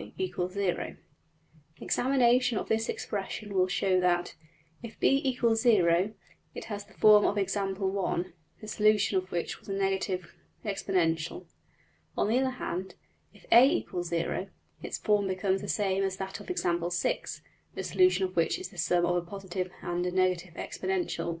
\end{DPalign*} Examination of this expression will show that, if $b = 0$, it has the form of Example~1, the solution of which was a negative exponential. On the other hand, if $a = 0$, its form becomes the same as that of Example~6, the solution of which is the sum of a positive and a negative exponential.